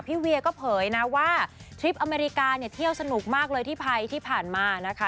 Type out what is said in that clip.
เวียก็เผยนะว่าทริปอเมริกาเนี่ยเที่ยวสนุกมากเลยที่ไทยที่ผ่านมานะคะ